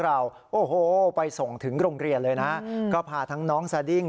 เราโอ้โหไปส่งถึงโรงเรียนเลยนะก็พาทั้งน้องสดิ้ง